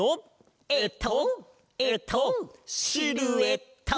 えっとえっとシルエット！